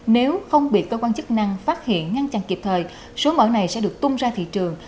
nếu không bị cơ quan chức năng phát hiện ngăn chặn kịp thời số mẫu này sẽ được tung ra thị trường